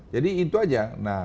jadi itu aja